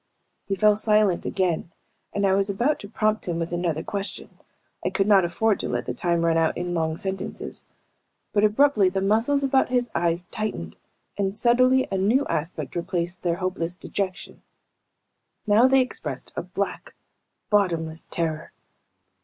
He fell silent again, and I was about to prompt him with another question I could not afford to let the time run out in long silences but abruptly the muscles about his eyes tightened and subtly a new aspect replaced their hopeless dejection. Now they expressed a black, bottomless terror.